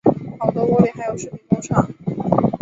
好多玻璃还有饰品工厂